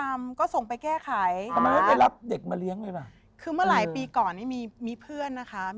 ไม่เคยมนุษย์ถนอมมาก